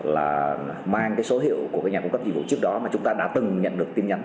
là mang cái số hiệu của cái nhà cung cấp dịch vụ trước đó mà chúng ta đã từng nhận được tin nhắn